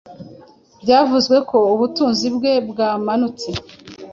byavuzwe ko ubutunzi bwe bwamanutse